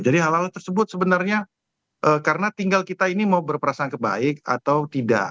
jadi hal hal tersebut sebenarnya karena tinggal kita ini mau berperasang kebaik atau tidak